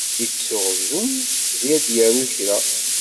Ittuɣ zun di d-yaru kra.